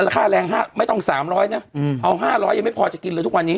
ค่าแรงไม่ต้องสามร้อยเนี้ยอืมเอาห้าร้อยยังไม่พอจะกินเลยทุกวันนี้